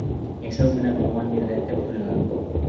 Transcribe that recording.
Йәшәү менән тыуған ерҙән кем туйған.